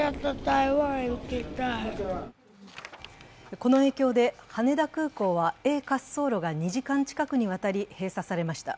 この影響で羽田空港はＡ滑走路が２時間近くにわたり閉鎖されました。